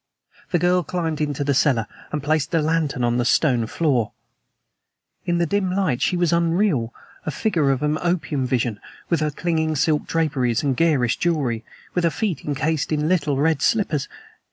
The girl climbed into the cellar and placed the lantern on the stone floor. In the dim light she was unreal a figure from an opium vision, with her clinging silk draperies and garish jewelry, with her feet encased in little red slippers.